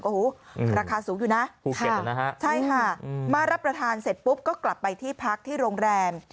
โอ้โหราคาสูงอยู่นะมารับประทานเสร็จปุ๊บก็กลับไปที่พักที่โรงแรม